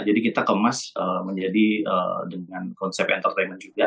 jadi kita kemas menjadi dengan konsep entertainment juga